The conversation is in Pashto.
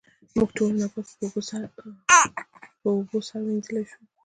موږ ټولې ناپاکۍ په اوبو سره وېنځلی شو.